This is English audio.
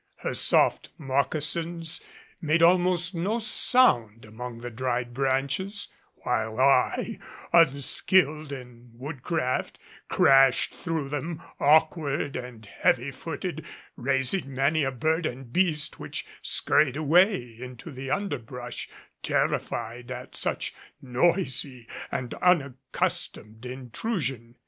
Her soft moccasins made almost no sound among the dried branches, while I, unskilled in wood craft, crashed through them, awkward and heavy footed, raising many a bird and beast which skurried away into the underbrush terrified at such noisy and unaccustomed intrusion.